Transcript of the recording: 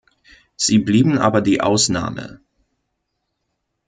Sie blieben aber die Ausnahme.